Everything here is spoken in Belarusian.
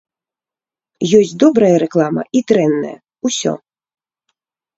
Ёсць добрая рэклама і дрэнная, усё.